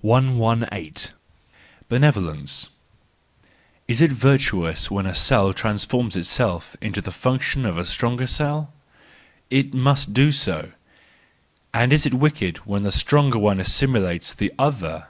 118. Benevolence .—Is it virtuous when a cell trans¬ forms itself into the function of a stronger cell ? It must do so. And is it wicked when the stronger one assimilates the other